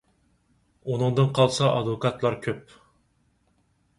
ئۇنىڭدىن قالسا ئادۋوكاتلار كۆپ.